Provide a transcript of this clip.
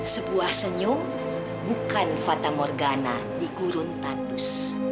sebuah senyum bukan fata morgana di gurun tandus